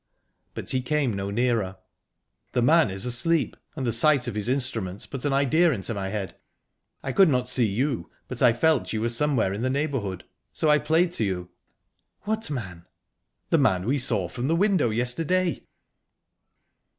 But he came no nearer. "The man is asleep, and the sight of his instrument put an idea into my head. I could not see you, but I felt you were somewhere in the neighbourhood so I played to you..." "What man?" "The man we saw from the window yesterday."